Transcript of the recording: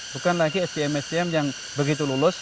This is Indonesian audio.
bukan lagi sdm sdm yang begitu lulus